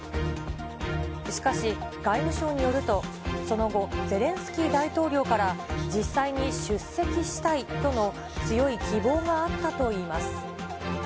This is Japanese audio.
しかし、外務省によると、その後、ゼレンスキー大統領から実際に出席したいとの強い希望があったといいます。